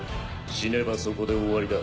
死ねばそこで終わりだ